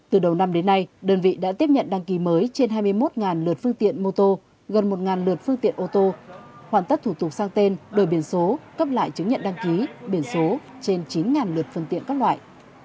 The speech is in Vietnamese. từ đầu năm đến nay đơn vị đã tiếp nhận đăng ký mới trên hai mươi một lượt phương tiện mô tô gần một lượt phương tiện ô tô hoàn tất thủ tục sang tên đổi biển số cấp lại chứng nhận đăng ký biển số trên chín lượt phương tiện các loại